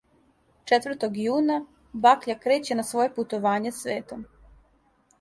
Четвртог јуна бакља креће на своје путовање светом.